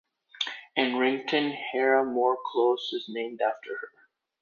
In Wrington 'Hannah More Close' is named after her.